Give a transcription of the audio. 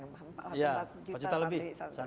iya empat juta lebih